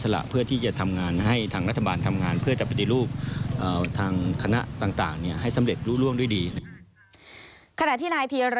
แล้วก็ไม่ต้องการที่จะให้เอาเรื่องนี้ไปโจมตีรัฐบาล